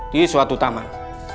di suatu taman